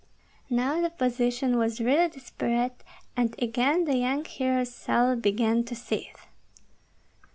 Now the position was really desperate, and again the young hero's soul began to seethe.